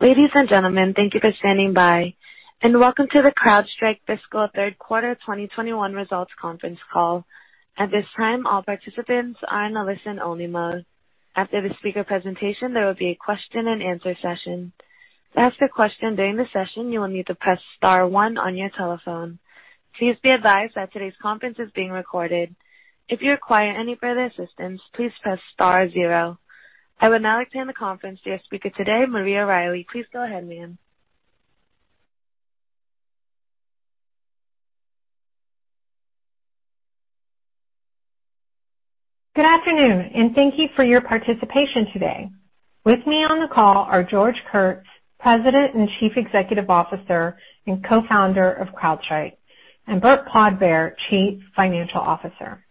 Ladies and gentlemen, thank you for standing by. Welcome to the CrowdStrike Fiscal Q3 2021 Results Conference Call. At this time, all participants are in a listen-only mode. After the speaker presentation, there will be a question-and-answer session. To ask a question during the session, you will need to press star one on your telephone. Please be advised that today's conference is being recorded. If you require any further assistance, please press star zero. I would now like to hand the conference to your speaker today, Maria Riley. Please go ahead, ma'am. Good afternoon and thank you for your participation today. With me on the call are George Kurtz, President and Chief Executive Officer and co-founder of CrowdStrike, and Burt Podbere, Chief Financial Officer.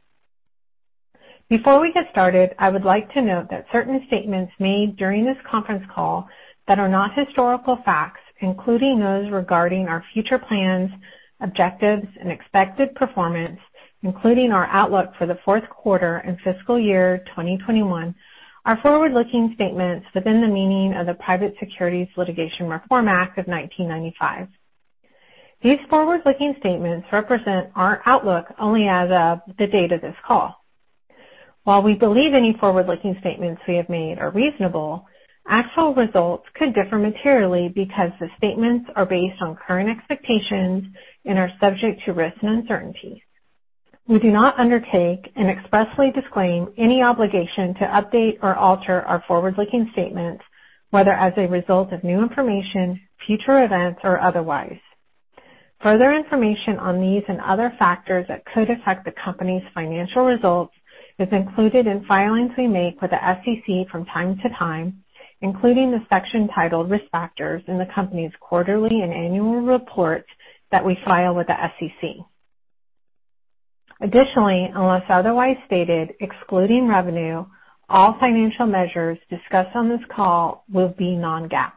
Before we get started, I would like to note that certain statements made during this conference call that are not historical facts, including those regarding our future plans, objectives, and expected performance, including our outlook for the Q4 and fiscal year 2021, are forward-looking statements within the meaning of the Private Securities Litigation Reform Act of 1995. These forward-looking statements represent our outlook only as of the date of this call. While we believe any forward-looking statements we have made are reasonable, actual results could differ materially because the statements are based on current expectations and are subject to risk and uncertainty. We do not undertake and expressly disclaim any obligation to update or alter our forward-looking statements, whether as a result of new information, future events, or otherwise. Further information on these and other factors that could affect the company's financial results is included in filings we make with the SEC from time to time, including the section titled Risk Factors in the company's quarterly and annual reports that we file with the SEC. Additionally, unless otherwise stated, excluding revenue, all financial measures discussed on this call will be non-GAAP.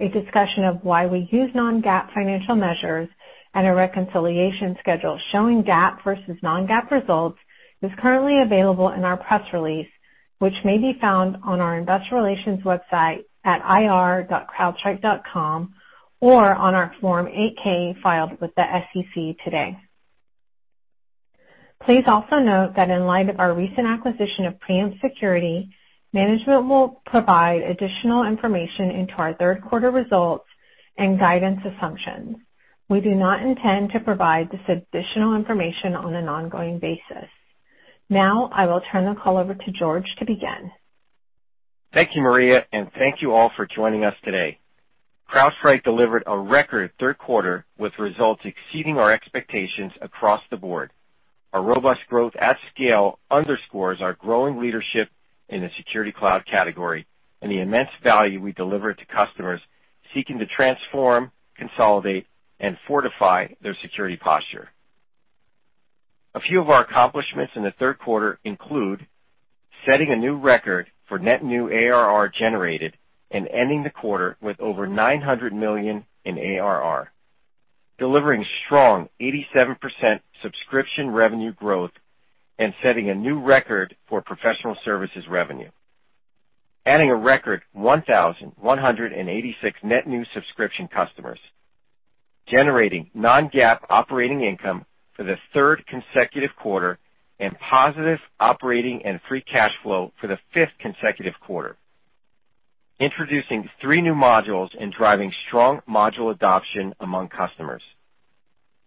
A discussion of why we use non-GAAP financial measures and a reconciliation schedule showing GAAP versus non-GAAP results is currently available in our press release, which may be found on our investor relations website at ir.crowdstrike.com or on our Form 8-K filed with the SEC today. Please also note that in light of our recent acquisition of Preempt Security, management will provide additional information into our Q3 results and guidance assumptions. We do not intend to provide this additional information on an ongoing basis. Now, I will turn the call over to George to begin. Thank you, Maria, and thank you all for joining us today. CrowdStrike delivered a record Q3 with results exceeding our expectations across the board. Our robust growth at scale underscores our growing leadership in the security cloud category and the immense value we deliver to customers seeking to transform, consolidate, and fortify their security posture. A few of our accomplishments in the Q3 include setting a new record for net new ARR generated and ending the quarter with over $900 million in ARR, delivering strong 87% subscription revenue growth, and setting a new record for professional services revenue, adding a record 1,186 net new subscription customers, generating non-GAAP operating income for the third consecutive quarter and positive operating and free cash flow for the fifth consecutive quarter, introducing three new modules and driving strong module adoption among customers,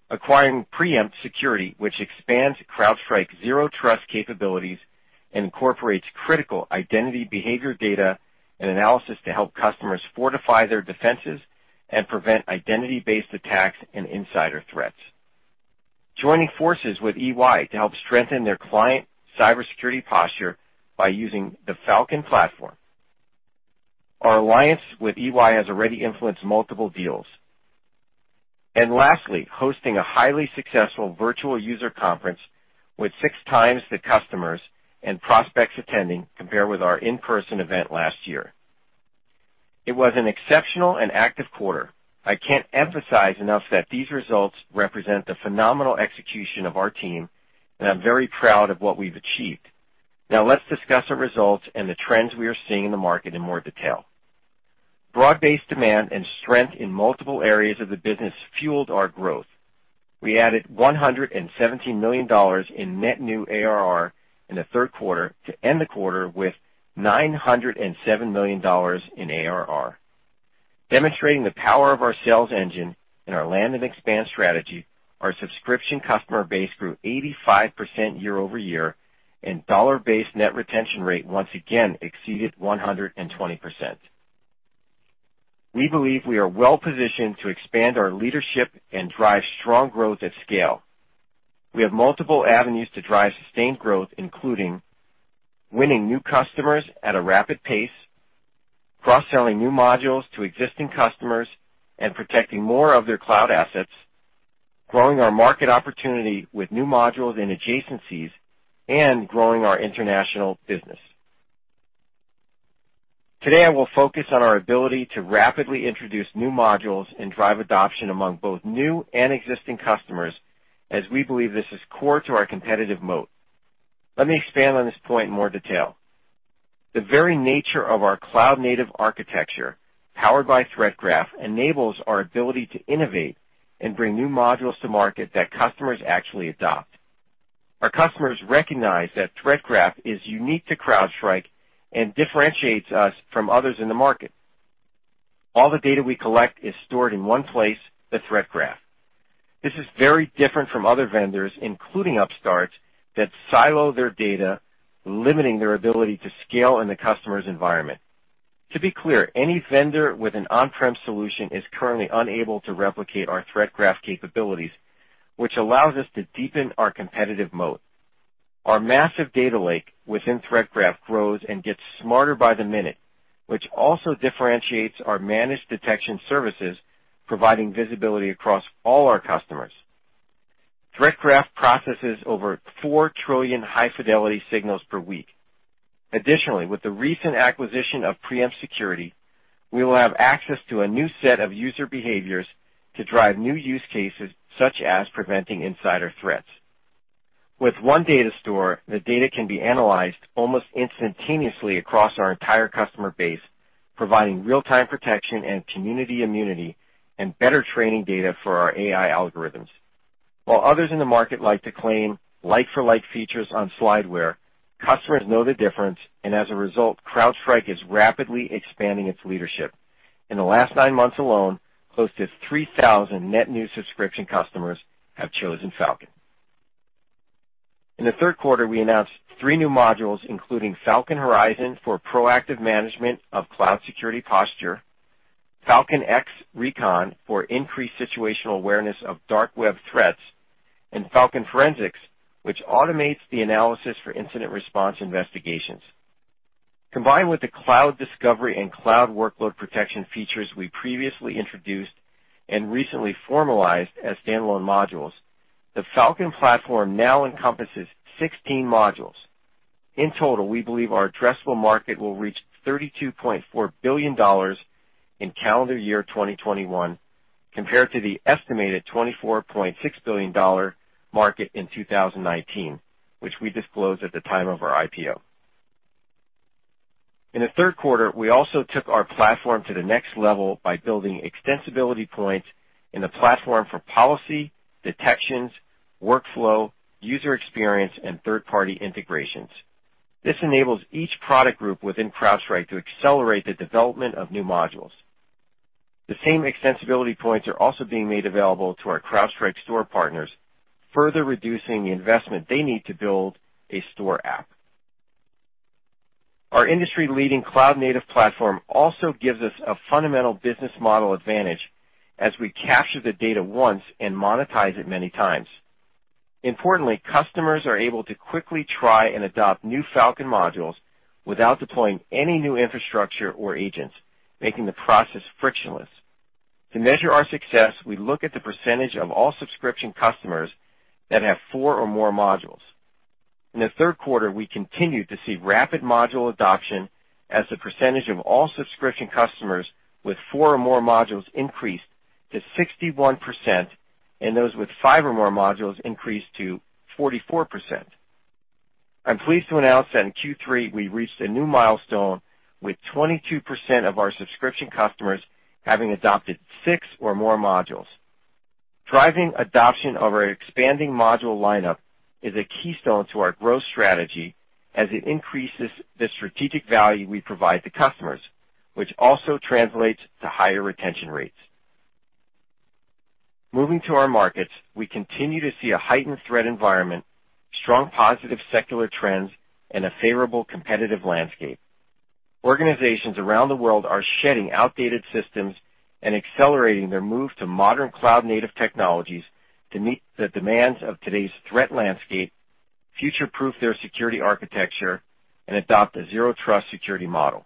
acquiring Preempt Security, which expands CrowdStrike Zero Trust capabilities and incorporates critical identity behavior data and analysis to help customers fortify their defenses and prevent identity-based attacks and insider threats, joining forces with EY to help strengthen their client cybersecurity posture by using the Falcon platform. Our alliance with EY has already influenced multiple deals. Lastly, hosting a highly successful virtual user conference with six times the customers and prospects attending compared with our in-person event last year. It was an exceptional and active quarter. I can't emphasize enough that these results represent the phenomenal execution of our team, and I'm very proud of what we've achieved. Let's discuss our results and the trends we are seeing in the market in more detail. Broad-based demand and strength in multiple areas of the business fueled our growth. We added $117 million in net new ARR in the Q3 to end the quarter with $907 million in ARR. Demonstrating the power of our sales engine and our land and expand strategy, our subscription customer base grew 85% year-over-year, and dollar-based net retention rate once again exceeded 120%. We believe we are well-positioned to expand our leadership and drive strong growth at scale. We have multiple avenues to drive sustained growth, including winning new customers at a rapid pace, cross-selling new modules to existing customers and protecting more of their cloud assets, growing our market opportunity with new modules and adjacencies, and growing our international business. Today, I will focus on our ability to rapidly introduce new modules and drive adoption among both new and existing customers, as we believe this is core to our competitive moat. Let me expand on this point in more detail. The very nature of our cloud-native architecture, powered by Threat Graph, enables our ability to innovate and bring new modules to market that customers actually adopt. Our customers recognize that Threat Graph is unique to CrowdStrike and differentiates us from others in the market. All the data we collect is stored in one place, the Threat Graph. This is very different from other vendors, including upstarts, that silo their data, limiting their ability to scale in the customer's environment. To be clear, any vendor with an on-prem solution is currently unable to replicate our Threat Graph capabilities, which allows us to deepen our competitive moat. Our massive data lake within Threat Graph grows and gets smarter by the minute, which also differentiates our managed detection services, providing visibility across all our customers. Threat Graph processes over four trillion high-fidelity signals per week. Additionally, with the recent acquisition of Preempt Security, we will have access to a new set of user behaviors to drive new use cases, such as preventing insider threats. With one data store, the data can be analyzed almost instantaneously across our entire customer base, providing real-time protection and community immunity and better training data for our AI algorithms. While others in the market like to claim like-for-like features on slideware, customers know the difference, and as a result, CrowdStrike is rapidly expanding its leadership. In the last nine months alone, close to 3,000 net new subscription customers have chosen Falcon. In the Q3, we announced three new modules, including Falcon Horizon for proactive management of cloud security posture, Falcon X Recon for increased situational awareness of dark web threats, and Falcon Forensics, which automates the analysis for incident response investigations. Combined with the cloud discovery and cloud workload protection features we previously introduced and recently formalized as standalone modules; the Falcon platform now encompasses 16 modules. In total, we believe our addressable market will reach $32.4 billion in calendar year 2021, compared to the estimated $24.6 billion market in 2019, which we disclosed at the time of our IPO. In the Q3 we also took our platform to the next level by building extensibility points in the platform for policy, detections, workflow, user experience, and third-party integrations. This enables each product group within CrowdStrike to accelerate the development of new modules. The same extensibility points are also being made available to our CrowdStrike Store partners, further reducing the investment they need to build a store app. Our industry-leading cloud-native platform also gives us a fundamental business model advantage as we capture the data once and monetize it many times. Importantly, customers are able to quickly try and adopt new Falcon modules without deploying any new infrastructure or agents, making the process frictionless. To measure our success, we look at the percentage of all subscription customers that have four or more modules. In the Q3, we continued to see rapid module adoption as the percentage of all subscription customers with four or more modules increased to 61%, and those with five or more modules increased to 44%. I'm pleased to announce that in Q3, we reached a new milestone with 22% of our subscription customers having adopted six or more modules. Driving adoption of our expanding module lineup is a keystone to our growth strategy as it increases the strategic value we provide to customers, which also translates to higher retention rates. Moving to our markets, we continue to see a heightened threat environment, strong positive secular trends, and a favorable competitive landscape. Organizations around the world are shedding outdated systems and accelerating their move to modern cloud-native technologies to meet the demands of today's threat landscape, future-proof their security architecture, and adopt a Zero Trust security model.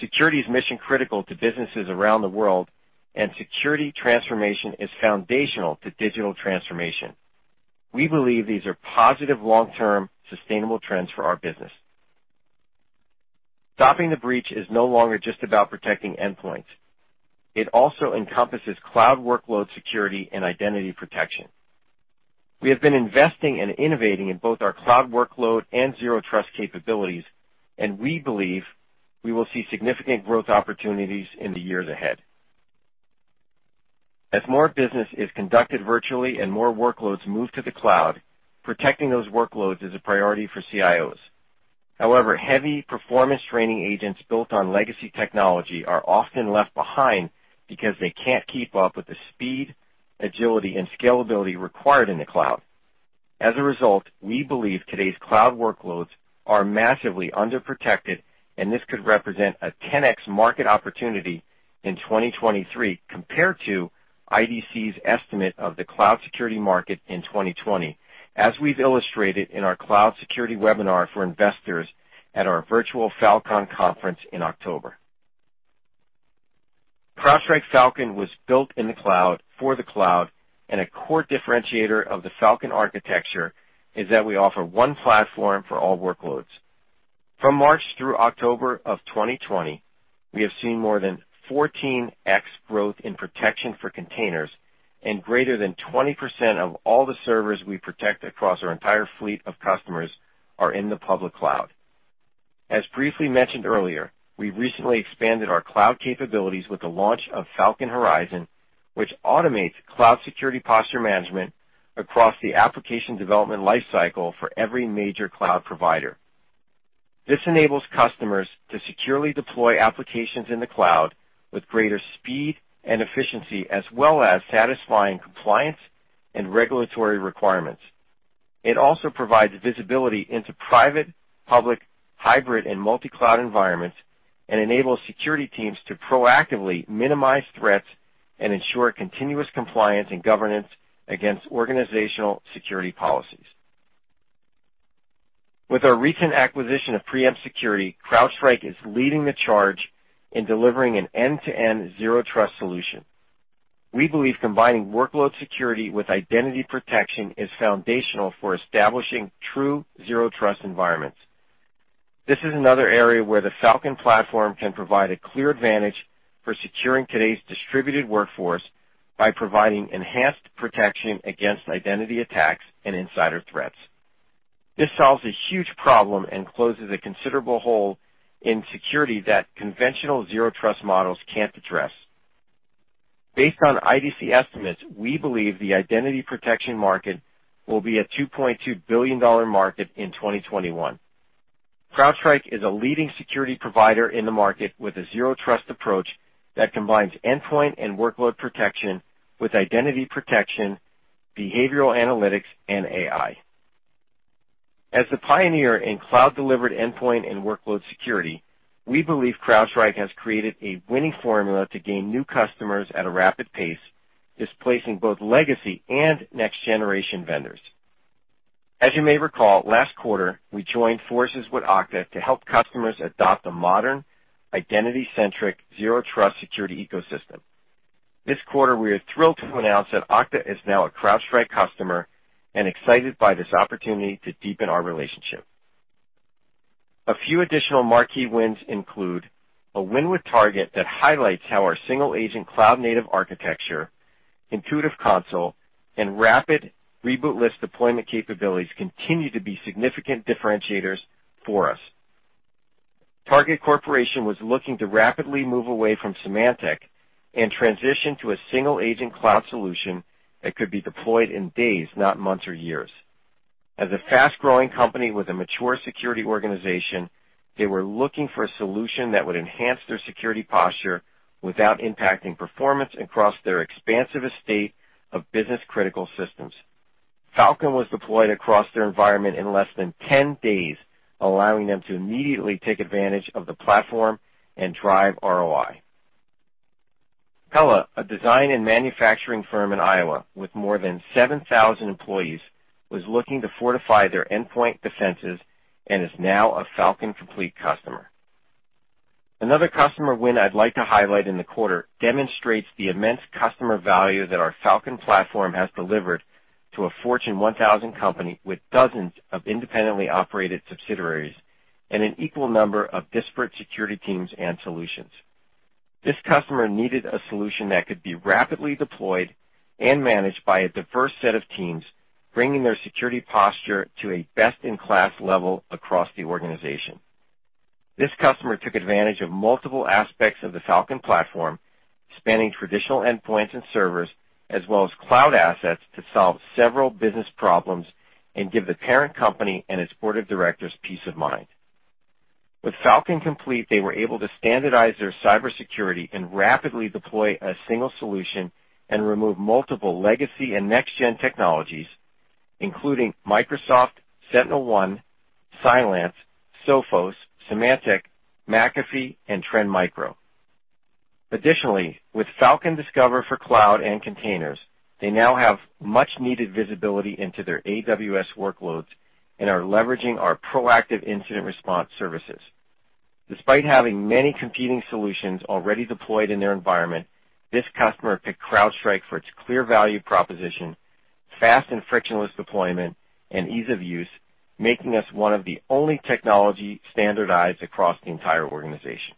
Security is mission critical to businesses around the world, and security transformation is foundational to digital transformation. We believe these are positive, long-term, sustainable trends for our business. Stopping the breach is no longer just about protecting endpoints. It also encompasses cloud workload security and identity protection. We have been investing and innovating in both our cloud workload and Zero Trust capabilities, and we believe we will see significant growth opportunities in the years ahead. As more business is conducted virtually and more workloads move to the cloud, protecting those workloads is a priority for CIOs. However, heavy performance training agents built on legacy technology are often left behind because they can't keep up with the speed, agility, and scalability required in the cloud. As a result, we believe today's cloud workloads are massively under-protected, and this could represent a 10x market opportunity in 2023 compared to IDC's estimate of the cloud security market in 2020, as we've illustrated in our cloud security webinar for investors at our virtual Fal.Con Conference in October. CrowdStrike Falcon was built in the cloud for the cloud, and a core differentiator of the Falcon architecture is that we offer one platform for all workloads. From March through October of 2020, we have seen more than 14x growth in protection for containers and greater than 20% of all the servers we protect across our entire fleet of customers are in the public cloud. As briefly mentioned earlier, we recently expanded our cloud capabilities with the launch of Falcon Horizon, which automates cloud security posture management across the application development life cycle for every major cloud provider. This enables customers to securely deploy applications in the cloud with greater speed and efficiency, as well as satisfying compliance and regulatory requirements. It also provides visibility into private, public, hybrid, and multi-cloud environments and enables security teams to proactively minimize threats and ensure continuous compliance and governance against organizational security policies. With our recent acquisition of Preempt Security, CrowdStrike is leading the charge in delivering an end-to-end Zero Trust solution. We believe combining workload security with identity protection is foundational for establishing true Zero Trust environments. This is another area where the Falcon platform can provide a clear advantage for securing today's distributed workforce by providing enhanced protection against identity attacks and insider threats. This solves a huge problem and closes a considerable hole in security that conventional Zero Trust models can't address. Based on IDC estimates, we believe the identity protection market will be a $2.2 billion market in 2021. CrowdStrike is a leading security provider in the market with a Zero Trust approach that combines endpoint and workload protection with identity protection, behavioral analytics, and AI. As the pioneer in cloud-delivered endpoint and workload security, we believe CrowdStrike has created a winning formula to gain new customers at a rapid pace, displacing both legacy and next-generation vendors. As you may recall, last quarter, we joined forces with Okta to help customers adopt a modern, identity centric, Zero Trust security ecosystem. This quarter, we are thrilled to announce that Okta is now a CrowdStrike customer and excited by this opportunity to deepen our relationship. A few additional marquee wins include a win with Target that highlights how our single-agent cloud-native architecture, intuitive console, and rapid reboot-less deployment capabilities continue to be significant differentiators for us. Target Corporation was looking to rapidly move away from Symantec and transition to a single-agent cloud solution that could be deployed in days, not months or years. As a fast-growing company with a mature security organization, they were looking for a solution that would enhance their security posture without impacting performance across their expansive estate of business-critical systems. Falcon was deployed across their environment in less than 10 days, allowing them to immediately take advantage of the platform and drive ROI. Pella, a design and manufacturing firm in Iowa with more than 7,000 employees, was looking to fortify their endpoint defenses and is now a Falcon Complete customer. Another customer win I'd like to highlight in the quarter demonstrates the immense customer value that our Falcon platform has delivered to a Fortune 1000 company with dozens of independently operated subsidiaries and an equal number of disparate security teams and solutions. This customer needed a solution that could be rapidly deployed and managed by a diverse set of teams, bringing their security posture to a best-in-class level across the organization. This customer took advantage of multiple aspects of the Falcon platform, spanning traditional endpoints and servers, as well as cloud assets to solve several business problems and give the parent company and its board of directors' peace of mind. With Falcon Complete, they were able to standardize their cybersecurity and rapidly deploy a single solution and remove multiple legacy and next-gen technologies, including Microsoft, SentinelOne, Cylance, Sophos, Symantec, McAfee, and Trend Micro. Additionally, with Falcon Discover for cloud and containers, they now have much-needed visibility into their AWS workloads and are leveraging our proactive incident response services. Despite having many competing solutions already deployed in their environment, this customer picked CrowdStrike for its clear value proposition, fast and frictionless deployment, and ease of use, making us one of the only technology standardized across the entire organization.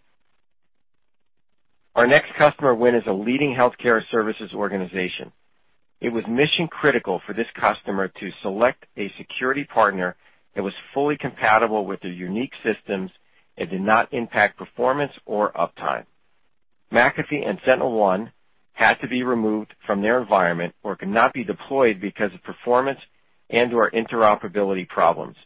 Our next customer win is a leading healthcare services organization. It was mission-critical for this customer to select a security partner that was fully compatible with their unique systems and did not impact performance or uptime. McAfee and SentinelOne had to be removed from their environment or could not be deployed because of performance and/or interoperability problems.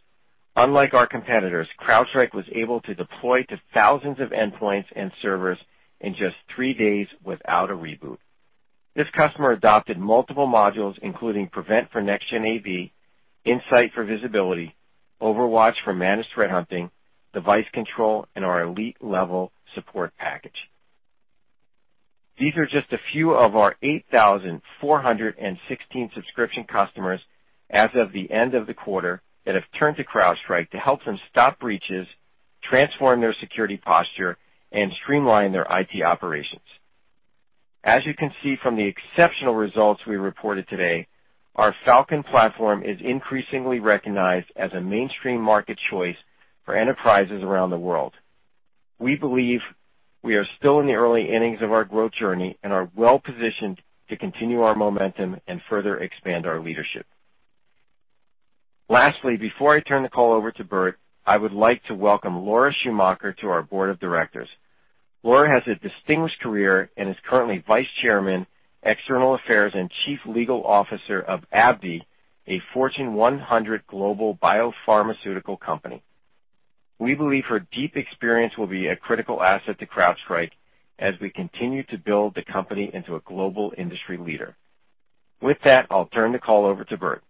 Unlike our competitors, CrowdStrike was able to deploy to thousands of endpoints and servers in just three days without a reboot. This customer adopted multiple modules, including Prevent for next-gen AV, Insight for visibility, OverWatch for managed threat hunting, Device Control, and our elite-level support package. These are just a few of our 8,416 subscription customers as of the end of the quarter that have turned to CrowdStrike to help them stop breaches, transform their security posture, and streamline their IT operations. As you can see from the exceptional results we reported today, our Falcon platform is increasingly recognized as a mainstream market choice for enterprises around the world. We believe we are still in the early innings of our growth journey, and are well-positioned to continue our momentum and further expand our leadership. Lastly, before I turn the call over to Burt, I would like to welcome Laura Schumacher to our board of directors. Laura has a distinguished career and is currently Vice Chairman, External Affairs and Chief Legal Officer of AbbVie, a Fortune 100 global biopharmaceutical company. We believe her deep experience will be a critical asset to CrowdStrike as we continue to build the company into a global industry leader. With that, I'll turn the call over to Burt.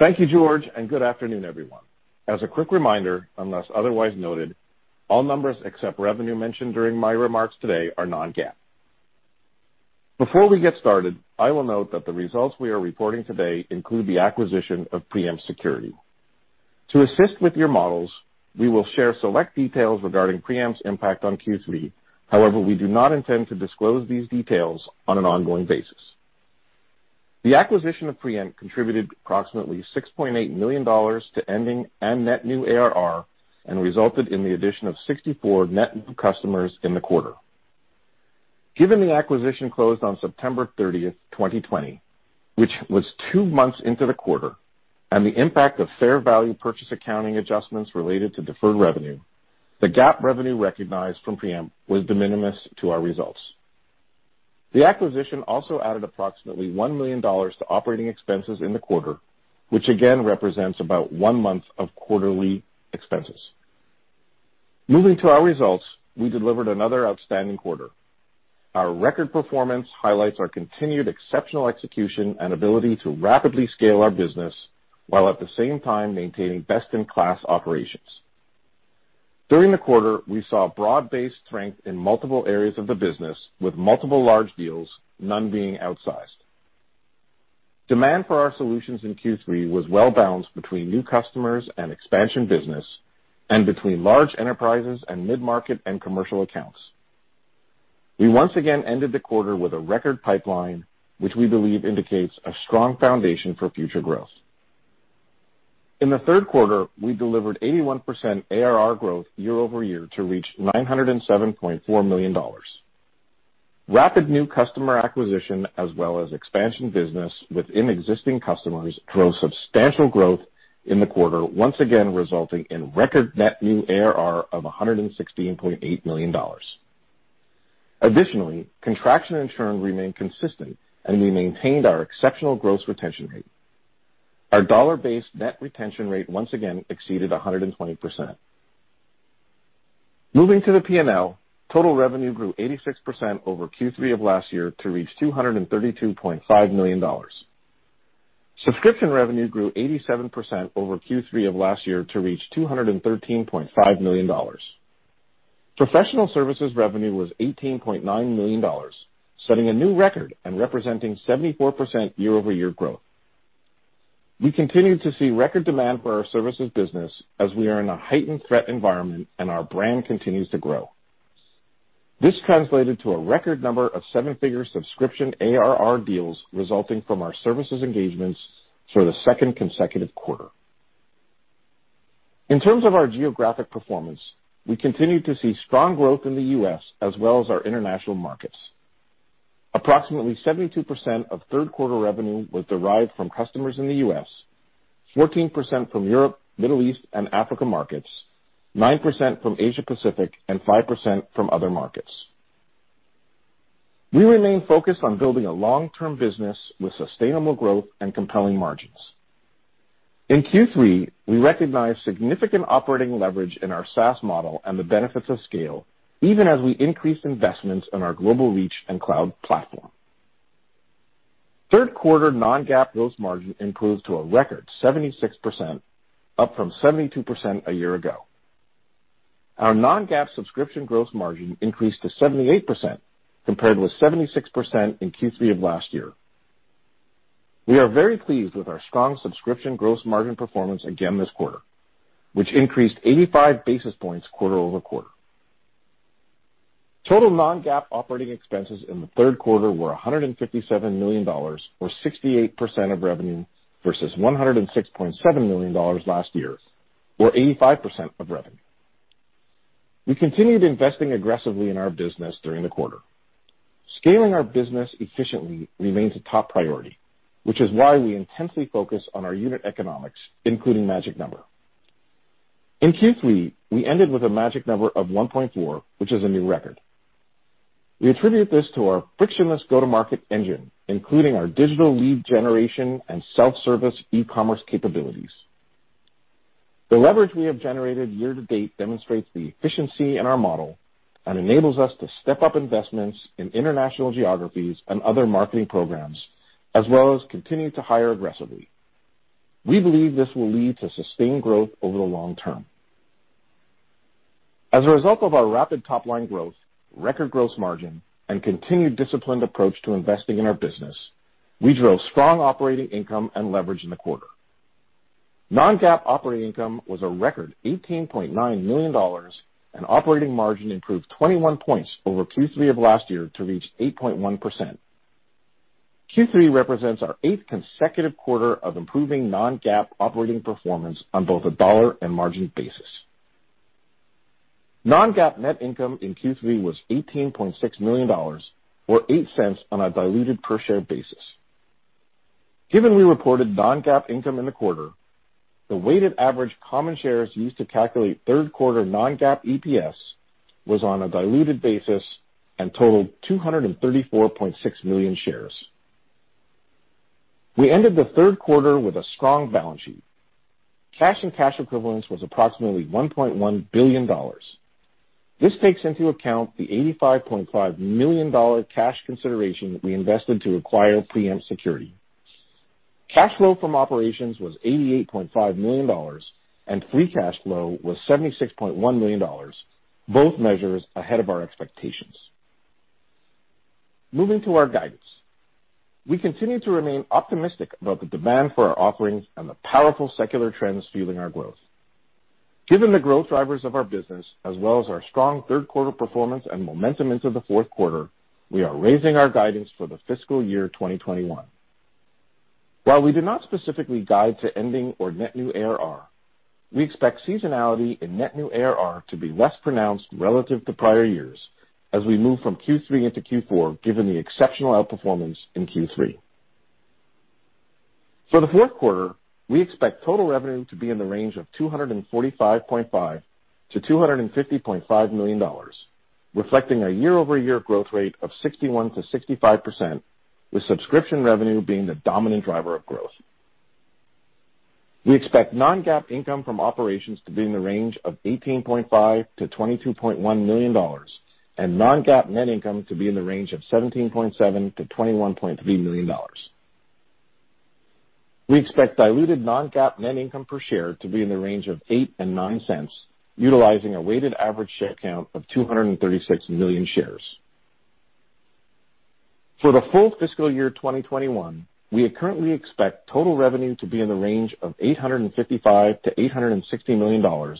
Thank you, George, good afternoon, everyone. As a quick reminder, unless otherwise noted, all numbers except revenue mentioned during my remarks today are non-GAAP. Before we get started, I will note that the results we are reporting today include the acquisition of Preempt Security. To assist with your models, we will share select details regarding Preempt's impact on Q3. However, we do not intend to disclose these details on an ongoing basis. The acquisition of Preempt contributed approximately $6.8 million to ending and net new ARR, and resulted in the addition of 64 net new customers in the quarter. Given the acquisition closed on September 30th, 2020, which was two months into the quarter, and the impact of fair value purchase accounting adjustments related to deferred revenue, the GAAP revenue recognized from Preempt was de minimis to our results. The acquisition also added approximately $1 million to operating expenses in the quarter, which again represents about one month of quarterly expenses. Moving to our results, we delivered another outstanding quarter. Our record performance highlights our continued exceptional execution and ability to rapidly scale our business, while at the same time maintaining best-in-class operations. During the quarter, we saw broad-based strength in multiple areas of the business with multiple large deals, none being outsized. Demand for our solutions in Q3 was well-balanced between new customers and expansion business, and between large enterprises and mid-market and commercial accounts. We once again ended the quarter with a record pipeline, which we believe indicates a strong foundation for future growth. In the Q3, we delivered 81% ARR growth year-over-year to reach $907.4 million. Rapid new customer acquisition as well as expansion business within existing customers drove substantial growth in the quarter, once again resulting in record net new ARR of $116.8 million. Additionally, contraction and churn remained consistent, and we maintained our exceptional gross retention rate. Our dollar-based net retention rate once again exceeded 120%. Moving to the P&L, total revenue grew 86% over Q3 of last year to reach $232.5 million. Subscription revenue grew 87% over Q3 of last year to reach $213.5 million. Professional services revenue was $18.9 million, setting a new record and representing 74% year-over-year growth. We continued to see record demand for our services business as we are in a heightened threat environment and our brand continues to grow. This translated to a record number of seven-figure subscription ARR deals resulting from our services engagements for the second consecutive quarter. In terms of our geographic performance, we continued to see strong growth in the U.S. as well as our international markets. Approximately 72% of Q3 revenue was derived from customers in the U.S., 14% from Europe, Middle East, and Africa markets, 9% from Asia Pacific, and 5% from other markets. We remain focused on building a long-term business with sustainable growth and compelling margins. In Q3, we recognized significant operating leverage in our SaaS model and the benefits of scale, even as we increased investments in our global reach and cloud platform. Q3 non-GAAP gross margin improved to a record 76%, up from 72% a year ago. Our non-GAAP subscription gross margin increased to 78%, compared with 76% in Q3 of last year. We are very pleased with our strong subscription gross margin performance again this quarter, which increased 85-basis points quarter-over-quarter. Total non-GAAP operating expenses in the Q3 were $157 million, or 68% of revenue, versus $106.7 million last year, or 85% of revenue. We continued investing aggressively in our business during the quarter. Scaling our business efficiently remains a top priority, which is why we intensely focus on our unit economics, including magic number. In Q3, we ended with a magic number of 1.4, which is a new record. We attribute this to our frictionless go-to-market engine, including our digital lead generation and self-service e-commerce capabilities. The leverage we have generated year to date demonstrates the efficiency in our model and enables us to step up investments in international geographies and other marketing programs, as well as continue to hire aggressively. We believe this will lead to sustained growth over the long term. As a result of our rapid top-line growth, record gross margin, and continued disciplined approach to investing in our business, we drove strong operating income and leverage in the quarter. Non-GAAP operating income was a record $18.9 million, and operating margin improved 21 points over Q3 of last year to reach 8.1%. Q3 represents our eighth consecutive quarter of improving non-GAAP operating performance on both a dollar and margin basis. Non-GAAP net income in Q3 was $18.6 million, or $0.08 on a diluted per share basis. Given we reported non-GAAP income in the quarter, the weighted average common shares used to calculate Q3 non-GAAP EPS was on a diluted basis and totaled 234.6 million shares. We ended the Q3 with a strong balance sheet. Cash and cash equivalents was approximately $1.1 billion. This takes into account the $85.5 million cash consideration that we invested to acquire Preempt Security. Cash flow from operations was $88.5 million, and free cash flow was $76.1 million, both measures ahead of our expectations. Moving to our guidance. We continue to remain optimistic about the demand for our offerings and the powerful secular trends fueling our growth. Given the growth drivers of our business, as well as our strong Q3 performance and momentum into the Q4, we are raising our guidance for the fiscal year 2021. While we did not specifically guide to ending or net new ARR, we expect seasonality in net new ARR to be less pronounced relative to prior years as we move from Q3 into Q4, given the exceptional outperformance in Q3. For the Q4, we expect total revenue to be in the range of $245.5-$250.5 million, reflecting a year-over-year growth rate of 61%-65%, with subscription revenue being the dominant driver of growth. We expect non-GAAP income from operations to be in the range of $18.5-$22.1 million and non-GAAP net income to be in the range of $17.7-$21.3 million. We expect diluted non-GAAP net income per share to be in the range of $0.08 and $0.09, utilizing a weighted average share count of 236 million shares. For the full fiscal year 2021, we currently expect total revenue to be in the range of $855-$860 million,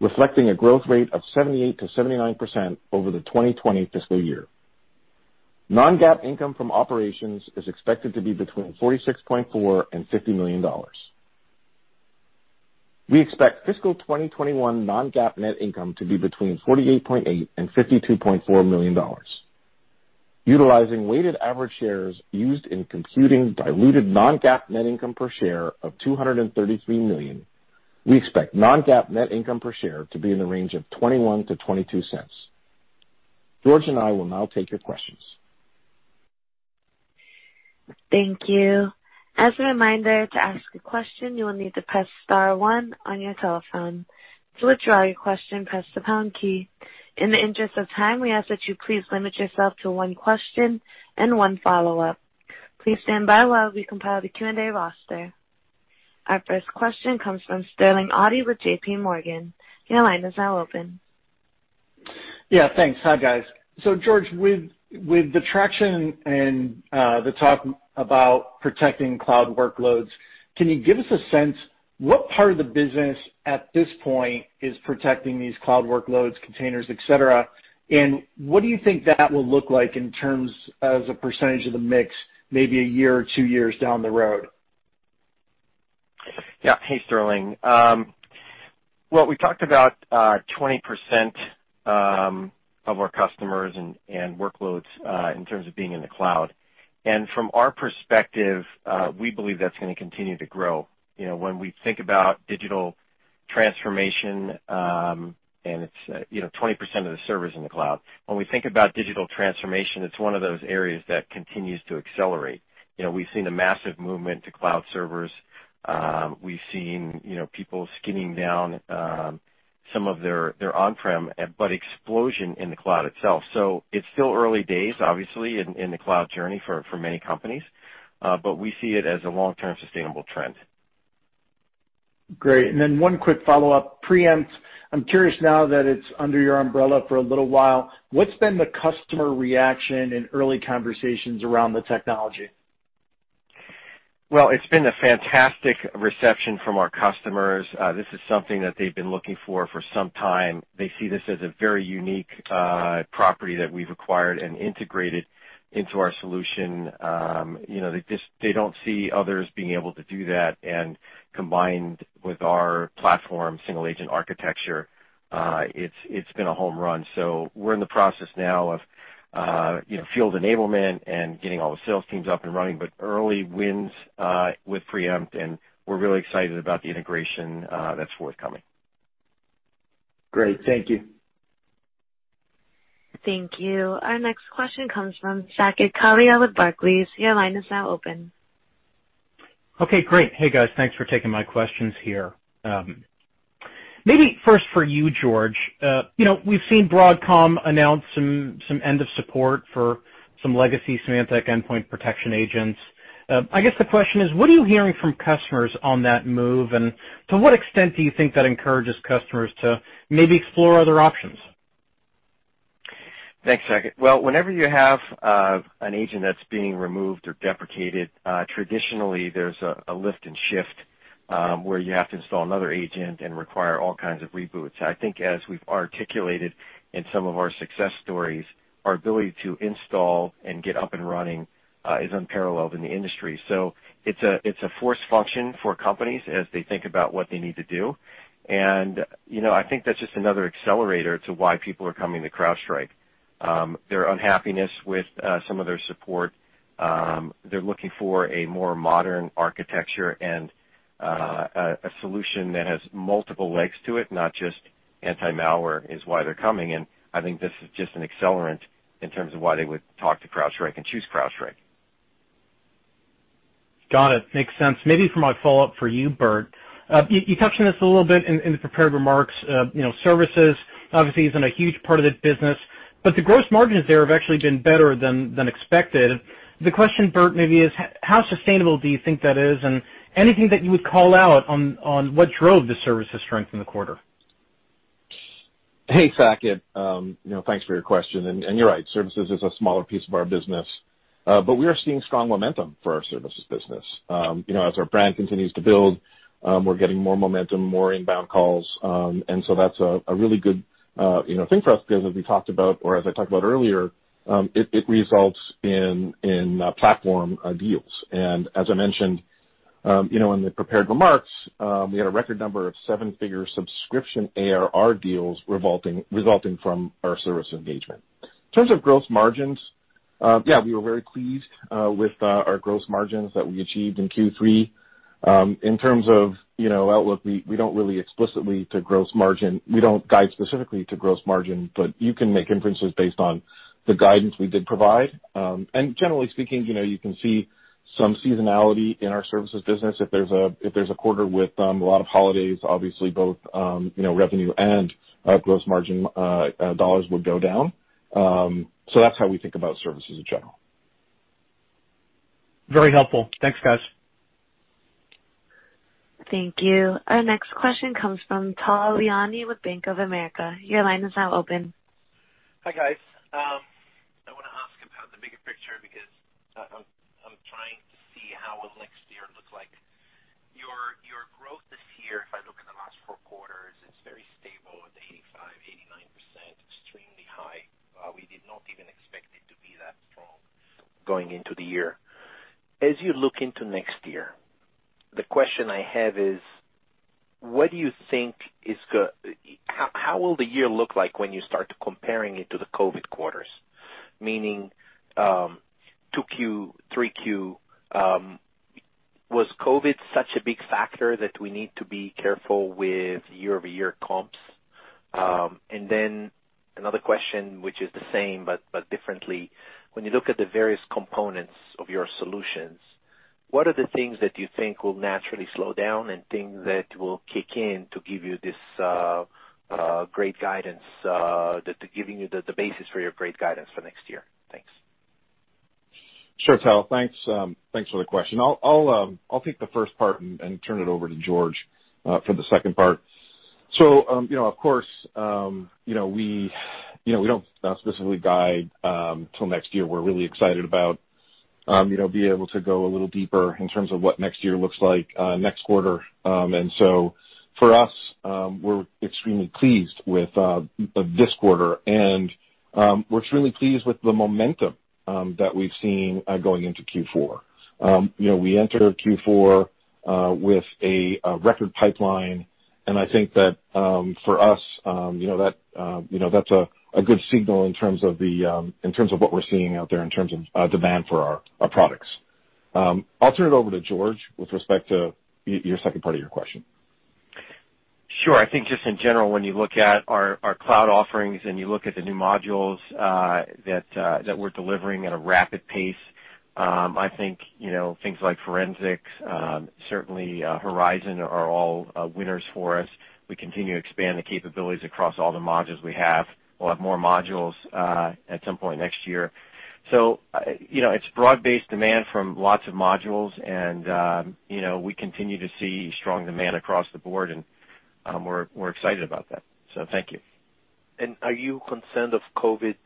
reflecting a growth rate of 78%-79% over the 2020 fiscal year. Non-GAAP income from operations is expected to be between $46.4 million and $50 million. We expect fiscal 2021 non-GAAP net income to be between $48.8 million and $52.4 million. Utilizing weighted average shares used in computing diluted non-GAAP net income per share of $233 million, we expect non-GAAP net income per share to be in the range of $0.21-$0.22. George and I will now take your questions. Thank you. As a reminder, to ask a question, you will need to press star one on your telephone. To withdraw your question, press the pound key. In the interest of time, we ask that you please limit yourself to one question and one follow-up. Please stand by while we compile the Q&A roster. Our first question comes from Sterling Auty with JPMorgan. Your line is now open. Yeah, thanks. Hi, guys. George, with the traction and the talk about protecting cloud workloads, can you give us a sense what part of the business at this point is protecting these cloud workloads, containers, et cetera, and what do you think that will look like in terms as a percentage of the mix, maybe a year or two years down the road? Hey, Sterling. Well, we talked about 20% of our customers and workloads in terms of being in the cloud. From our perspective, we believe that's going to continue to grow. When we think about digital transformation, it's 20% of the servers in the cloud. When we think about digital transformation, it's one of those areas that continues to accelerate. We've seen a massive movement to cloud servers. We've seen people skimming down some of their on-prem, explosion in the cloud itself. It's still early days, obviously, in the cloud journey for many companies. We see it as a long-term sustainable trend. Great. One quick follow-up. Preempt, I'm curious now that it's under your umbrella for a little while, what's been the customer reaction in early conversations around the technology? Well, it's been a fantastic reception from our customers. This is something that they've been looking for for some time. They see this as a very unique property that we've acquired and integrated into our solution. They don't see others being able to do that, combined with our platform, single agent architecture, it's been a home run. We're in the process now of field enablement and getting all the sales teams up and running, but early wins with Preempt, and we're really excited about the integration that's forthcoming. Great. Thank you. Thank you. Our next question comes from Saket Kalia with Barclays. Your line is now open. Okay, great. Hey, guys, thanks for taking my questions here. Maybe first for you, George. We've seen Broadcom announce some end of support for some legacy Symantec endpoint protection agents. I guess the question is, what are you hearing from customers on that move, and to what extent do you think that encourages customers to maybe explore other options? Thanks, Saket. Well, whenever you have an agent that's being removed or deprecated, traditionally there's a lift and shift, where you have to install another agent and require all kinds of reboots. I think as we've articulated in some of our success stories, our ability to install and get up and running is unparalleled in the industry. It's a force function for companies as they think about what they need to do. I think that's just another accelerator to why people are coming to CrowdStrike. Their unhappiness with some of their support. They're looking for a more modern architecture and a solution that has multiple legs to it, not just anti-malware is why they're coming, and I think this is just an accelerant in terms of why they would talk to CrowdStrike and choose CrowdStrike. Got it. Makes sense. Maybe for my follow-up for you, Burt. You touched on this a little bit in the prepared remarks. Services obviously isn't a huge part of this business, but the gross margins there have actually been better than expected. The question, Burt, maybe is how sustainable do you think that is? Anything that you would call out on what drove the services strength in the quarter? Hey, Saket. Thanks for your question. You're right, services is a smaller piece of our business. We are seeing strong momentum for our services business. As our brand continues to build, we're getting more momentum, more inbound calls. That's a really good thing for us because as we talked about, or as I talked about earlier, it results in platform deals. As I mentioned in the prepared remarks, we had a record number of seven-figure subscription ARR deals resulting from our service engagement. In terms of gross margins, we were very pleased with our gross margins that we achieved in Q3. In terms of outlook, we don't guide specifically to gross margin, but you can make inferences based on the guidance we did provide. Generally speaking, you can see some seasonality in our services business. If there's a quarter with a lot of holidays, obviously both revenue and gross margin dollars would go down. That's how we think about services in general. Very helpful. Thanks, guys. Thank you. Our next question comes from Tal Liani with Bank of America. Your line is now open. Hi, guys. I want to ask about the bigger picture because I'm trying to see how will next year look like. Your growth this year, if I look at the last Q4, it's very stable at the 85%-89%, extremely high. We did not even expect it to be that strong going into the year. As you look into next year, the question I have is, how will the year look like when you start comparing it to the COVID quarters? Meaning, 2Q, 3Q, was COVID such a big factor that we need to be careful with year-over-year comps? Another question, which is the same, but differently. When you look at the various components of your solutions, what are the things that you think will naturally slow down and things that will kick in to give you this great guidance, giving you the basis for your great guidance for next year? Thanks. Sure, Tal. Thanks for the question. I'll take the first part and turn it over to George for the second part. Of course, we don't specifically guide till next year. We're really excited about being able to go a little deeper in terms of what next year looks like, next quarter. For us, we're extremely pleased with this quarter, and we're truly pleased with the momentum that we've seen going into Q4. We enter Q4 with a record pipeline, and I think that for us, that's a good signal in terms of what we're seeing out there in terms of demand for our products. I'll turn it over to George with respect to your second part of your question. Sure. I think just in general, when you look at our cloud offerings and you look at the new modules that we're delivering at a rapid pace, I think things like Forensics, certainly Horizon, are all winners for us. We continue to expand the capabilities across all the modules we have. We'll have more modules at some point next year. It's broad-based demand from lots of modules, and we continue to see strong demand across the board, and we're excited about that. Thank you. Are you concerned of COVID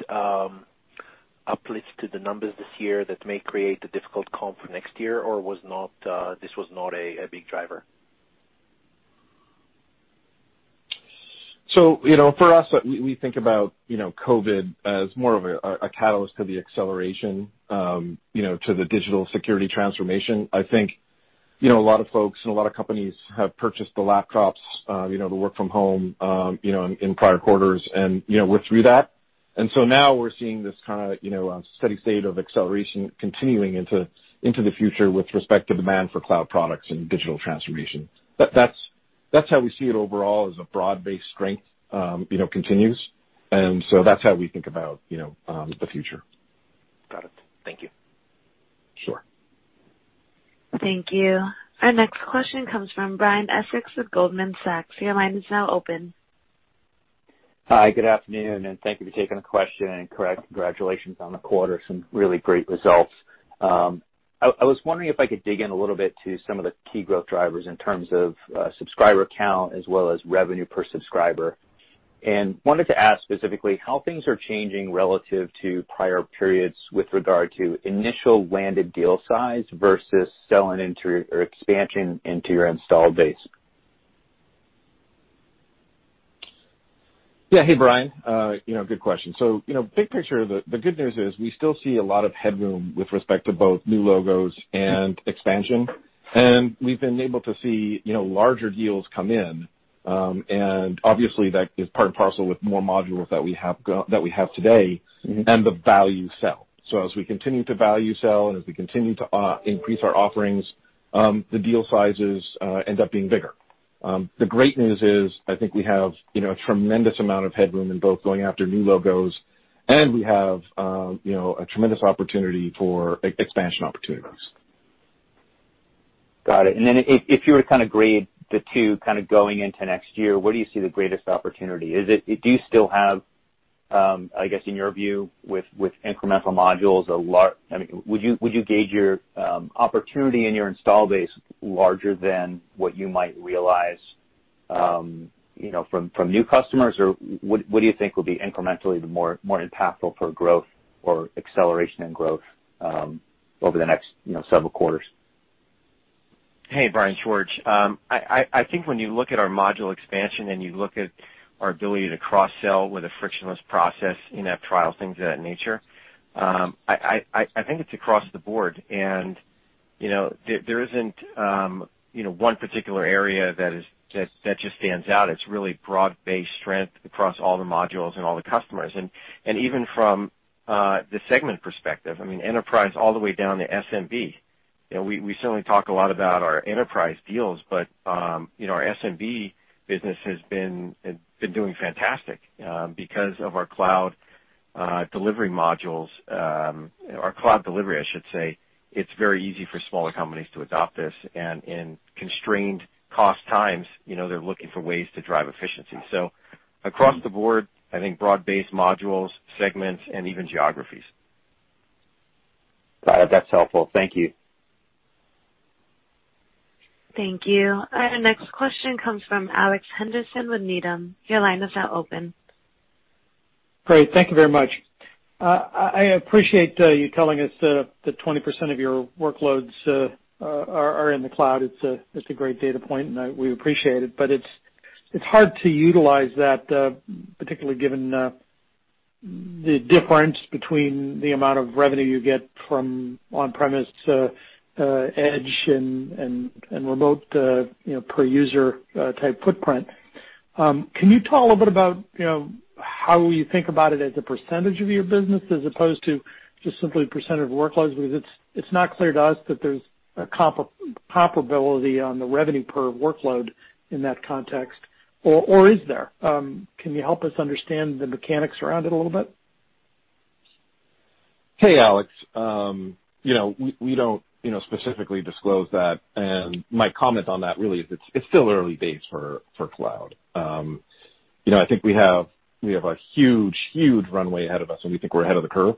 uplifts to the numbers this year that may create a difficult comp for next year, or this was not a big driver? For us, we think about COVID as more of a catalyst to the acceleration to the digital security transformation. I think a lot of folks and a lot of companies have purchased the laptops to work from home in prior quarters, and we're through that. Now we're seeing this kind of steady state of acceleration continuing into the future with respect to demand for cloud products and digital transformation. That's how we see it overall as a broad-based strength continues. That's how we think about the future. Got it. Thank you. Sure. Thank you. Our next question comes from Brian Essex with Goldman Sachs. Your line is now open. Hi, good afternoon, and thank you for taking the question, and congratulations on the quarter. Some really great results. I was wondering if I could dig in a little bit to some of the key growth drivers in terms of subscriber count, as well as revenue per subscriber. Wanted to ask specifically how things are changing relative to prior periods with regard to initial landed deal size versus selling into or expansion into your installed base. Yeah. Hey, Brian. Good question. Big picture, the good news is we still see a lot of headroom with respect to both new logos and expansion. We've been able to see larger deals come in, and obviously that is part and parcel with more modules that we have today and the value sell. As we continue to value sell and as we continue to increase our offerings, the deal sizes end up being bigger. The great news is, I think we have a tremendous amount of headroom in both going after new logos, and we have a tremendous opportunity for expansion opportunities. Got it. If you were to kind of grade the two, kind of going into next year, where do you see the greatest opportunity? Do you still have, I guess, in your view, with incremental modules, would you gauge your opportunity in your install base larger than what you might realize from new customers? What do you think will be incrementally more impactful for growth or acceleration in growth over the next several quarters? Hey, Brian. George. I think when you look at our module expansion and you look at our ability to cross-sell with a frictionless process in app trial, things of that nature, I think it's across the board. There isn't one particular area that just stands out. It's really broad-based strength across all the modules and all the customers. Even from the segment perspective, enterprise all the way down to SMB. We certainly talk a lot about our enterprise deals, but our SMB business has been doing fantastic because of our cloud delivery modules. Our cloud delivery, I should say, it's very easy for smaller companies to adopt this, and in constrained cost times, they're looking for ways to drive efficiency. Across the board, I think broad-based modules, segments, and even geographies. Got it. That's helpful. Thank you. Thank you. Our next question comes from Alex Henderson with Needham. Your line is now open. Great. Thank you very much. I appreciate you telling us that 20% of your workloads are in the cloud. It's a great data point, and we appreciate it. It's hard to utilize that, particularly given the difference between the amount of revenue you get from on premises to edge and remote per user type footprint. Can you talk a little bit about how you think about it as a percentage of your business as opposed to just simply percentage of workloads? It's not clear to us that there's a comparability on the revenue per workload in that context. Is there? Can you help us understand the mechanics around it a little bit? Hey, Alex. We don't specifically disclose that. My comment on that really is it's still early days for cloud. I think we have a huge runway ahead of us, and we think we're ahead of the curve,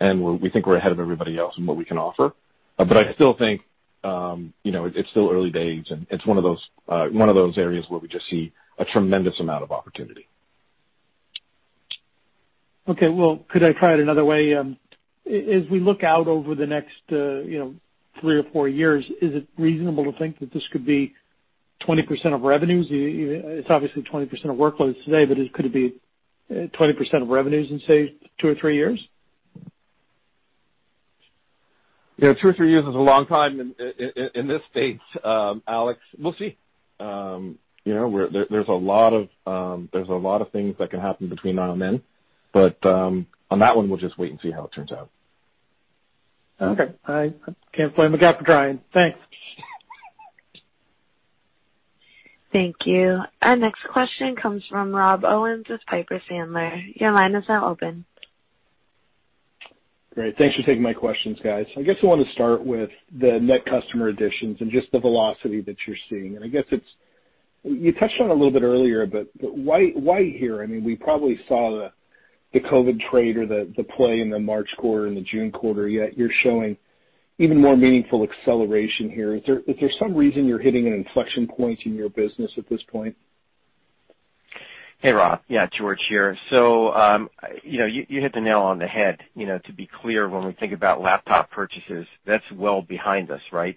and we think we're ahead of everybody else in what we can offer. I still think it's still early days, and it's one of those areas where we just see a tremendous amount of opportunity. Okay. Well, could I try it another way? As we look out over the next three or four years, is it reasonable to think that this could be 20% of revenues? It's obviously 20% of workloads today, but could it be 20% of revenues in, say, two or three years? Yeah. Two or three years is a long time in this space, Alex. We'll see. There's a lot of things that can happen between now and then, but on that one, we'll just wait and see how it turns out. Okay. I can't blame a guy for trying. Thanks. Thank you. Our next question comes from Rob Owens with Piper Sandler. Your line is now open. Great. Thanks for taking my questions, guys. I guess I want to start with the net customer additions and just the velocity that you're seeing. I guess you touched on it a little bit earlier, but why here? We probably saw the COVID trade or the play in the March quarter and the June quarter, yet you're showing even more meaningful acceleration here. Is there some reason you're hitting an inflection point in your business at this point? Hey, Rob. Yeah, George here. You hit the nail on the head. To be clear, when we think about laptop purchases, that's well behind us, right?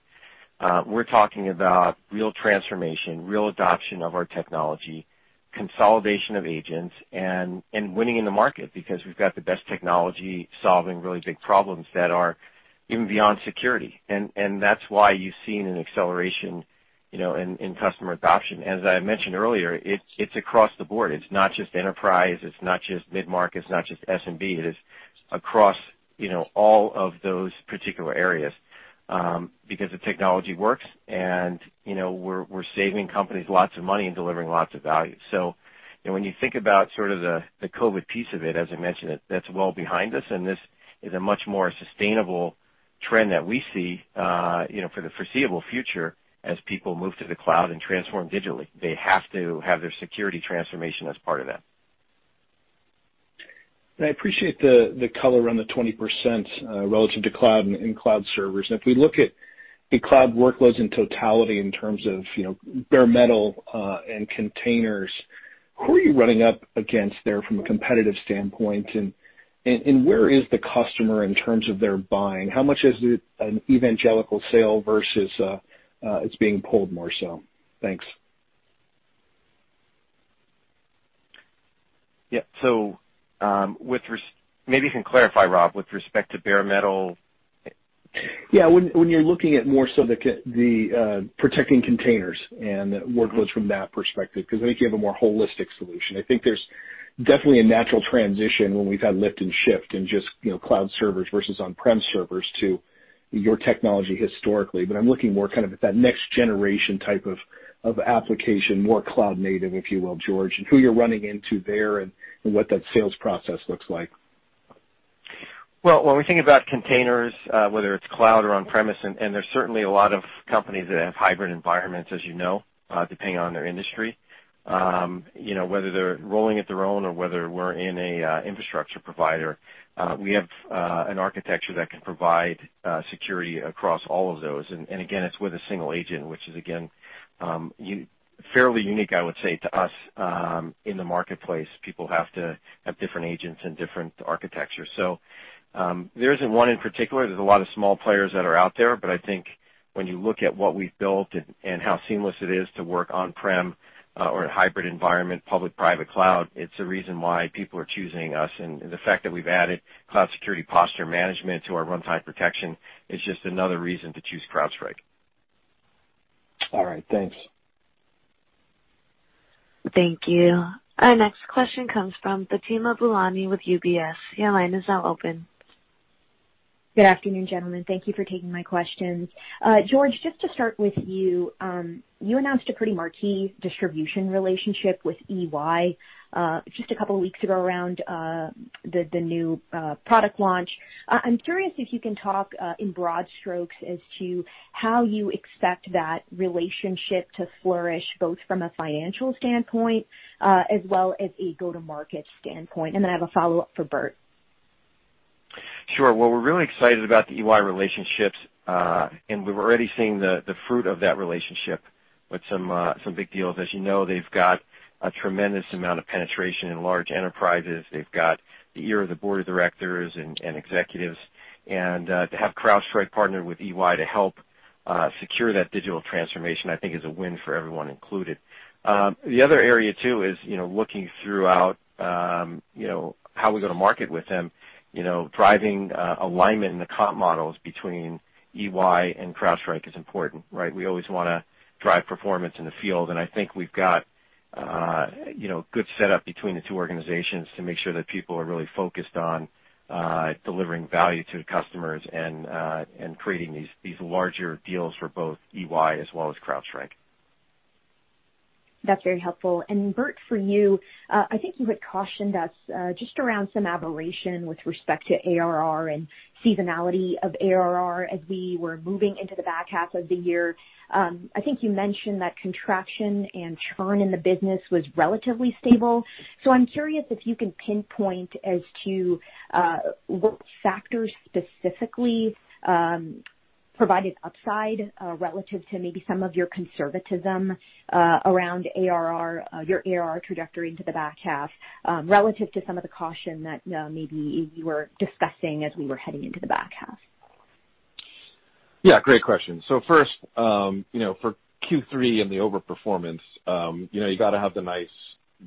We're talking about real transformation, real adoption of our technology, consolidation of agents, and winning in the market because we've got the best technology solving really big problems that are even beyond security. That's why you've seen an acceleration in customer adoption. As I mentioned earlier, it's across the board. It's not just enterprise, it's not just mid-market, it's not just SMB. It is across all of those particular areas because the technology works, and we're saving companies lots of money and delivering lots of value. When you think about sort of the COVID piece of it, as I mentioned, that's well behind us, and this is a much more sustainable trend that we see for the foreseeable future as people move to the cloud and transform digitally. They have to have their security transformation as part of that. I appreciate the color on the 20% relative to cloud and cloud servers. If we look at the cloud workloads in totality in terms of bare metal and containers, who are you running up against there from a competitive standpoint? Where is the customer in terms of their buying? How much is it an evangelical sale versus it's being pulled more so? Thanks. Yeah. Maybe you can clarify, Rob, with respect to bare metal. When you're looking at more so the protecting containers and workloads from that perspective, because I think you have a more holistic solution. I think there's definitely a natural transition when we've had lift and shift and just cloud servers versus on-prem servers to your technology historically. I'm looking more kind of at that next generation type of application, more cloud native, if you will, George, and who you're running into there and what that sales process looks like. When we think about containers, whether it's cloud or on premises, there's certainly a lot of companies that have hybrid environments, as you know, depending on their industry. Whether they're rolling it their own or whether we're an infrastructure provider, we have an architecture that can provide security across all of those. Again, it's with a single agent, which is again, fairly unique, I would say, to us in the marketplace. People have to have different agents and different architecture. There isn't one in particular. There are a lot of small players that are out there. I think when you look at what we've built and how seamless it is to work on-prem or a hybrid environment, public-private cloud, it's a reason why people are choosing us. The fact that we've added Cloud Security Posture Management to our runtime protection is just another reason to choose CrowdStrike. All right, thanks. Thank you. Our next question comes from Fatima Boolani with UBS. Your line is now open. Good afternoon, gentlemen. Thank you for taking my questions. George, just to start with you. You announced a pretty marquee distribution relationship with EY just a couple of weeks ago around the new product launch. I am curious if you can talk in broad strokes as to how you expect that relationship to flourish, both from a financial standpoint as well as a go-to-market standpoint. Then I have a follow-up for Burt. Sure. Well, we're really excited about the EY relationships, and we're already seeing the fruit of that relationship with some big deals. As you know, they've got a tremendous amount of penetration in large enterprises. They've got the ear of the board of directors and executives. To have CrowdStrike partner with EY to help secure that digital transformation, I think is a win for everyone included. The other area, too, is looking throughout how we go to market with them. Driving alignment in the comp models between EY and CrowdStrike is important, right? We always want to drive performance in the field, and I think we've got good setup between the two organizations to make sure that people are really focused on delivering value to the customers and creating these larger deals for both EY as well as CrowdStrike. That's very helpful. Burt, for you, I think you had cautioned us just around some aberration with respect to ARR and seasonality of ARR as we were moving into the back half of the year. I think you mentioned that contraction and churn in the business was relatively stable. I'm curious if you can pinpoint as to what factors specifically provided upside relative to maybe some of your conservatism around your ARR trajectory into the back half relative to some of the caution that maybe you were discussing as we were heading into the back half. Yeah, great question. First, for Q3 and the overperformance, you got to have the nice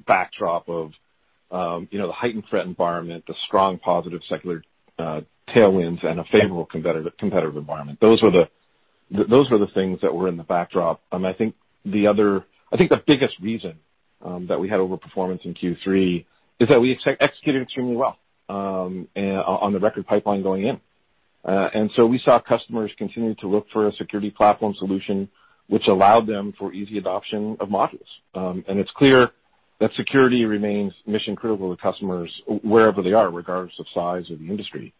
backdrop of the heightened threat environment, the strong positive secular tailwinds, and a favorable competitive environment. Those were the things that were in the backdrop. I think the biggest reason that we had overperformance in Q3 is that we executed extremely well on the record pipeline going in. We saw customers continue to look for a security platform solution which allowed them for easy adoption of modules. It's clear that security remains mission-critical to customers wherever they are, regardless of size or the industry.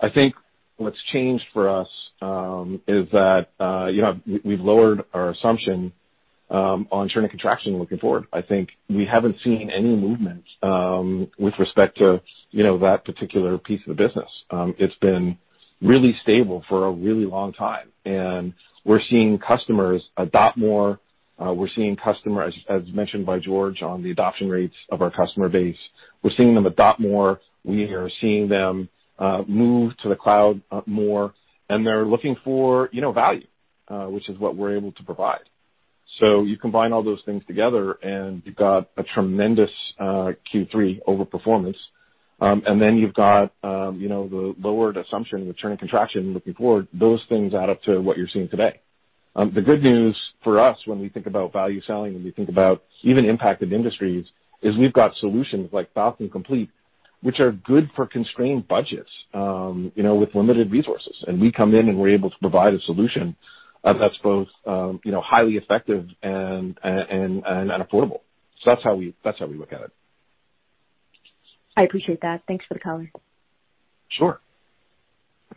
I think what's changed for us is that we've lowered our assumption on churn and contraction looking forward. I think we haven't seen any movement with respect to that particular piece of the business. It's been really stable for a really long time, we're seeing customers adopt more. We're seeing customers, as mentioned by George, on the adoption rates of our customer base. We're seeing them adopt more. We are seeing them move to the cloud more, they're looking for value, which is what we're able to provide. You combine all those things together, you've got a tremendous Q3 overperformance. You've got the lowered assumption of churn and contraction looking forward. Those things add up to what you're seeing today. The good news for us when we think about value selling, when we think about even impacted industries, is we've got solutions like Falcon Complete, which are good for constrained budgets with limited resources. We come in, we're able to provide a solution that's both highly effective and affordable. That's how we look at it. I appreciate that. Thanks for the color. Sure.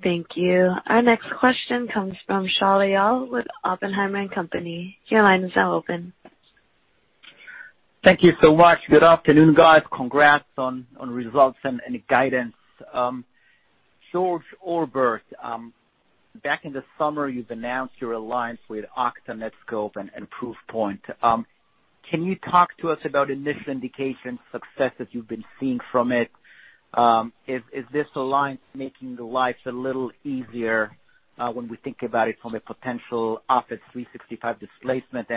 Thank you. Our next question comes from Shaul Eyal with Oppenheimer & Company Your line is now open. Thank you so much. Good afternoon, guys. Congrats on results and guidance. George or Burt, back in the summer, you've announced your alliance with Okta, Netskope, and Proofpoint. Can you talk to us about initial indication success that you've been seeing from it? Is this alliance making the life a little easier, when we think about it from a potential Office 365 displacement?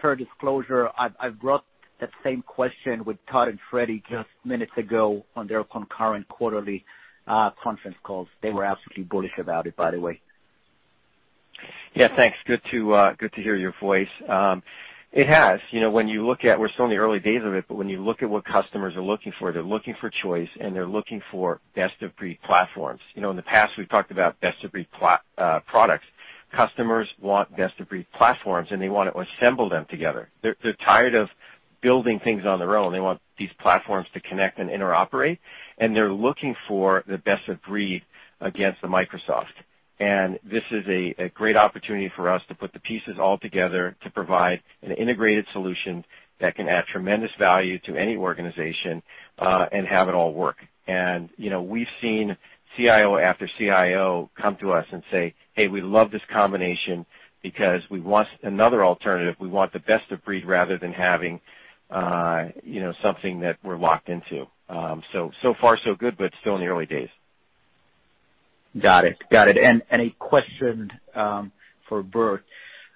For disclosure, I've brought that same question with Todd and Freddy just minutes ago on their concurrent quarterly conference calls. They were absolutely bullish about it, by the way. Yeah, thanks. Good to hear your voice. It has. We're still in the early days of it, but when you look at what customers are looking for, they're looking for choice, and they're looking for best-of-breed platforms. In the past, we've talked about best-of-breed products. Customers want best-of-breed platforms, and they want to assemble them together. They're tired of building things on their own. They want these platforms to connect and interoperate, and they're looking for the best of breed against the Microsoft. This is a great opportunity for us to put the pieces all together to provide an integrated solution that can add tremendous value to any organization and have it all work. We've seen CIO after CIO come to us and say, "Hey, we love this combination because we want another alternative. We want the best of breed rather than having something that we're locked into." Far so good, but still in the early days. Got it. A question for Burt.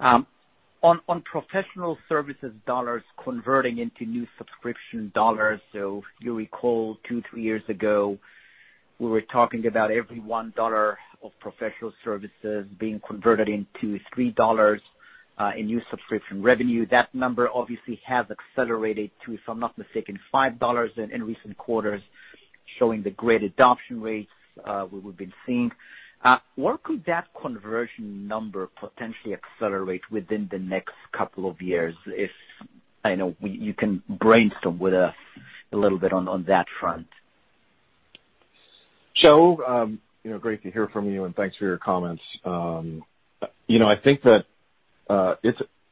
On professional services dollars converting into new subscription dollars, you recall two, three years ago, we were talking about every $1 of professional services being converted into $3 in new subscription revenue. That number obviously has accelerated to, if I'm not mistaken, $5 in recent quarters, showing the great adoption rates we have been seeing. Where could that conversion number potentially accelerate within the next couple of years if, I know, you can brainstorm with us a little bit on that front. Shaul, great to hear from you, and thanks for your comments.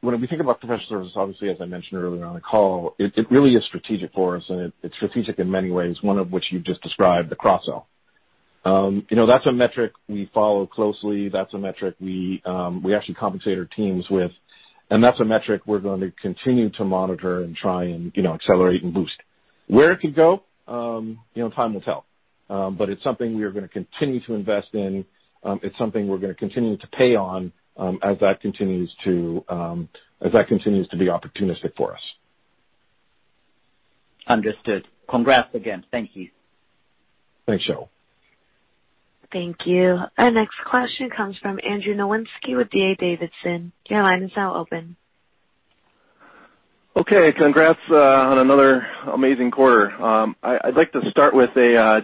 When we think about professional services, obviously, as I mentioned earlier on the call, it really is strategic for us, and it's strategic in many ways, one of which you've just described, the cross-sell. That's a metric we follow closely. That's a metric we actually compensate our teams with, and that's a metric we're going to continue to monitor and try and accelerate and boost. Where it could go, time will tell. It's something we are going to continue to invest in. It's something we're going to continue to pay on, as that continues to be opportunistic for us. Understood. Congrats again. Thank you. Thanks, Shaul. Thank you. Our next question comes from Andrew Nowinski with D.A. Davidson. Okay. Congrats on another amazing quarter. I'd like to start with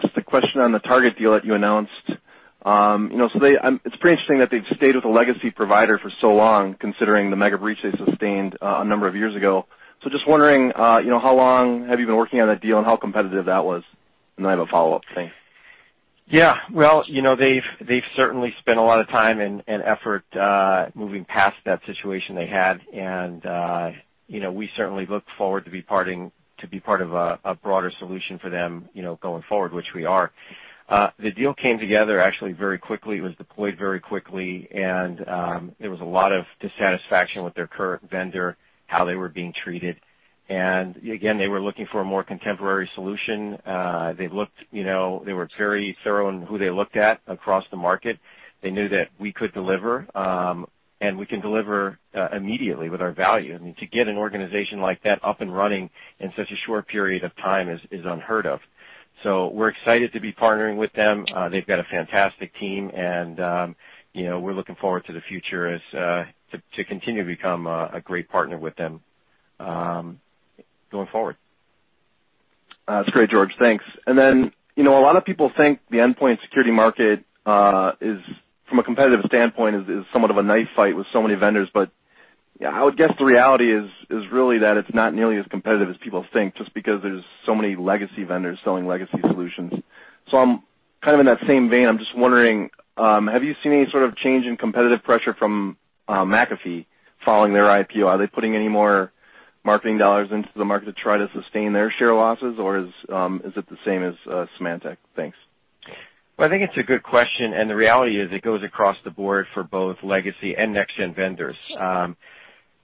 just a question on the Target deal that you announced. It's pretty interesting that they've stayed with a legacy provider for so long, considering the mega breach they sustained a number of years ago. Just wondering, how long have you been working on that deal and how competitive that was? I have a follow-up. Thanks. Yeah. Well, they've certainly spent a lot of time and effort, moving past that situation they had. We certainly look forward to being part of a broader solution for them, going forward, which we are. The deal came together actually very quickly. It was deployed very quickly, there was a lot of dissatisfaction with their current vendor, how they were being treated. Again, they were looking for a more contemporary solution. They were very thorough in who they looked at across the market. They knew that we could deliver, we can deliver immediately with our value. I mean, to get an organization like that up and running in such a short period of time is unheard of. We're excited to be partnering with them. They've got a fantastic team, and we're looking forward to the future as to continue to become a great partner with them going forward. That's great, George. Thanks. A lot of people think the endpoint security market, from a competitive standpoint, is somewhat of a knife fight with so many vendors. I would guess the reality is really that it's not nearly as competitive as people think, just because there's so many legacy vendors selling legacy solutions. I'm kind of in that same vein. I'm just wondering, have you seen any sort of change in competitive pressure from McAfee following their IPO? Are they putting any more marketing dollars into the market to try to sustain their share losses, or is it the same as Symantec? Thanks. I think it's a good question, and the reality is it goes across the board for both legacy and next-gen vendors.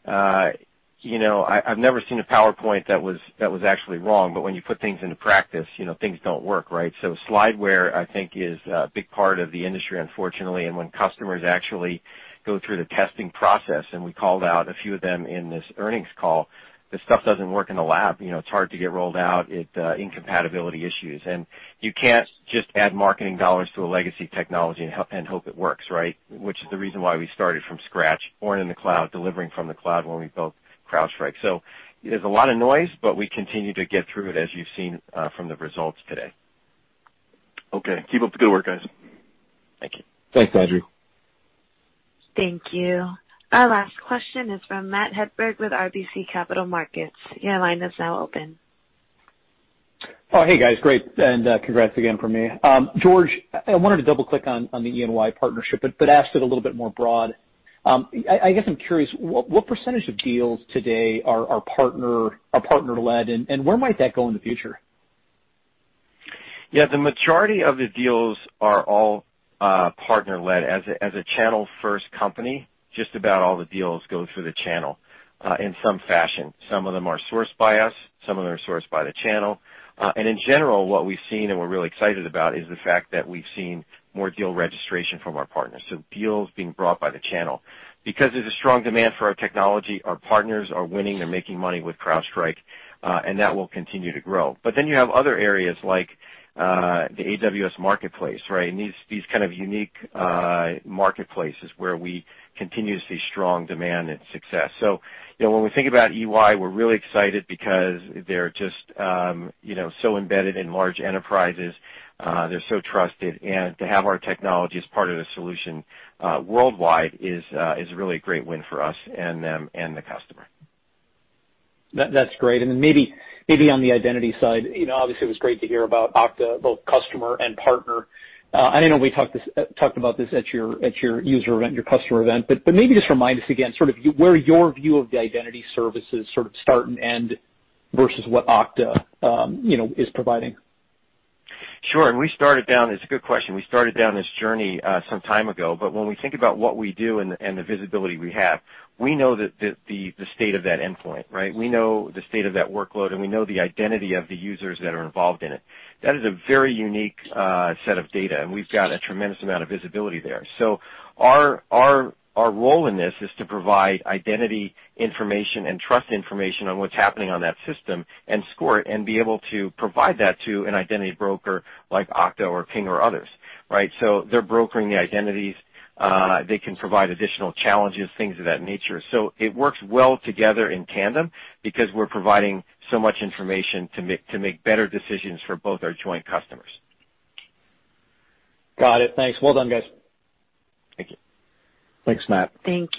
I've never seen a PowerPoint that was actually wrong, but when you put things into practice, things don't work, right? Slideware, I think, is a big part of the industry, unfortunately. When customers actually go through the testing process, and we called out a few of them in this earnings call, the stuff doesn't work in the lab. It's hard to get rolled out. Incompatibility issues. You can't just add marketing dollars to a legacy technology and hope it works, right? Which is the reason why we started from scratch, born in the cloud, delivering from the cloud when we built CrowdStrike. There's a lot of noise, but we continue to get through it as you've seen from the results today. Okay. Keep up the good work, guys. Thank you. Thanks, Andrew. Thank you. Our last question is from Matt Hedberg with RBC Capital Markets. Oh, hey guys. Great, and congrats again from me. George, I wanted to double-click on the EY partnership but ask it a little bit broader I guess I'm curious, what percentage of deals today are partner-led, and where might that go in the future? Yeah. The majority of the deals are all partner-led. As a channel-first company, just about all the deals go through the channel, in some fashion. Some of them are sourced by us, some of them are sourced by the channel. In general, what we've seen, and we're really excited about is the fact that we've seen more deal registration from our partners, so deals being brought by the channel. There's a strong demand for our technology, our partners are winning, they're making money with CrowdStrike, and that will continue to grow. You have other areas like the AWS Marketplace, right? These kinds of unique marketplaces where we continue to see strong demand and success. When we think about EY, we're really excited because they're just so embedded in large enterprises. They're so trusted, and to have our technology as part of the solution worldwide is really a great win for us and them and the customer. That's great. Maybe on the identity side, obviously it was great to hear about Okta, both customer and partner. I know we talked about this at your user event, your customer event, but maybe just remind us again, sort of where your view of the identity services sort of start and end versus what Okta is providing. Sure. It's a good question. We started down this journey some time ago, when we think about what we do and the visibility we have, we know the state of that endpoint, right? We know the state of that workload, and we know the identity of the users that are involved in it. That is a very unique set of data, and we've got a tremendous amount of visibility there. Our role in this is to provide identity information and trust information on what's happening on that system and score it and be able to provide that to an identity broker like Okta or Ping or others, right? They're brokering the identities. They can provide additional challenges, things of that nature. It works well together in tandem because we're providing so much information to make better decisions for both our joint customers. Got it. Thanks. Well done, guys. Thank you. Thanks, Matt. Thank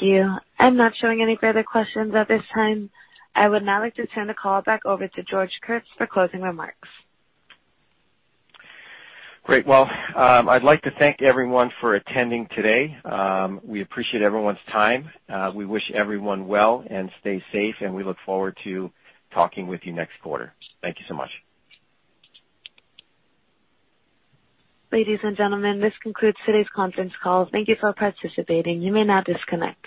you. I'm not showing any further questions at this time. I would now like to turn the call back over to George Kurtz for closing remarks. Great. Well, I'd like to thank everyone for attending today. We appreciate everyone's time. We wish everyone well and stay safe, and we look forward to talking with you next quarter. Thank you so much. Ladies and gentlemen, this concludes today's conference call. Thank you for participating. You may now disconnect.